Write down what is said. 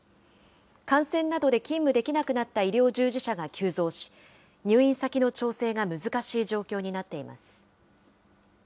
感染などで勤務できなくなった医療従事者が急増し、入院先の調整が難しい状況になっています。